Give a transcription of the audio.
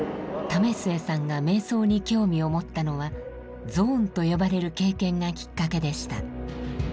為末さんが瞑想に興味を持ったのは「ゾーン」と呼ばれる経験がきっかけでした。